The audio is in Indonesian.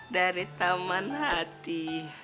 dari taman hati